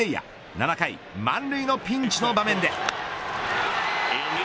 ７回、満塁のピンチの場面で。